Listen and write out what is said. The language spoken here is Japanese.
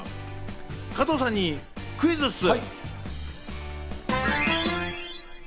加藤さんにクイズッス。